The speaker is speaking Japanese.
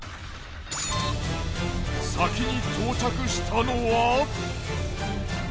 先に到着したのは。